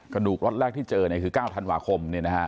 กระดูกล็อตแรกที่เจอคือ๙ธันวาคม